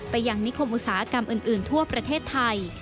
ยังนิคมอุตสาหกรรมอื่นทั่วประเทศไทย